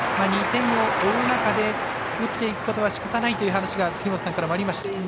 ２点を追う中で打っていくことはしかたないという話が杉本さんからありました。